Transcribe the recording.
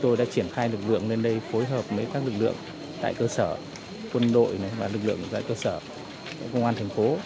tôi đã triển khai lực lượng lên đây phối hợp với các lực lượng tại cơ sở quân đội và lực lượng tại cơ sở công an thành phố